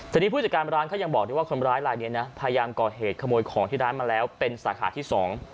ทีนี้ผู้จัดการร้านเขายังบอกได้ว่าคนร้ายลายนี้นะพยายามก่อเหตุขโมยของที่ร้านมาแล้วเป็นสาขาที่สอง